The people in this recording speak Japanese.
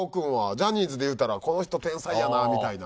ジャニーズで言うたらこの人天才やなみたいな。